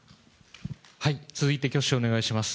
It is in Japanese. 続いて挙手をお願いします。